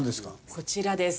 こちらです。